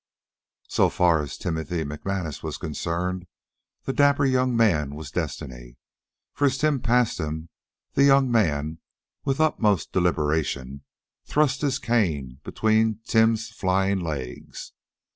So far as Timothy McManus was concerned, the dapper young man was destiny; for as Tim passed him, the young man, with utmost deliberation, thrust his cane between Tim's flying legs.